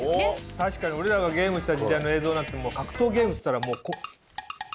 確かに俺らがゲームしてた時代の映像なんて格闘ゲームっつったらもうこう。